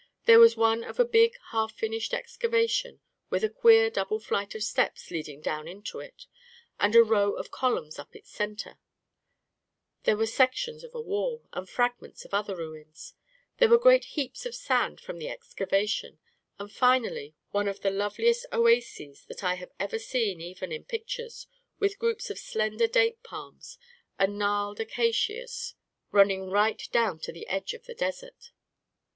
There was one of a big, half finished exca vation, with a queer double flight of steps leading down into it, and a row of columns up its centre; there were sections of a wall, and fragments of other ruins; there were great heaps of sand from the excavation ; and finally one of the loveliest oases that I have ever seen even in pictures, with groups of slender date palms and gnarled acacias running right down to the edge of the desert.